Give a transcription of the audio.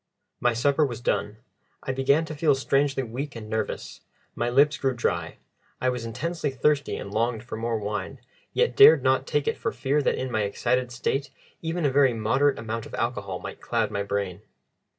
My supper was done. I began to feel strangely weak and nervous. My lips grew dry; I was intensely thirsty and longed for more wine, yet dared not take it for fear that in my excited state even a very moderate amount of alcohol might cloud my brain.